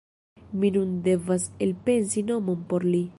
Mi nun devas elpensi nomon por li.